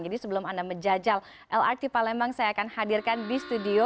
sebelum anda menjajal lrt palembang saya akan hadirkan di studio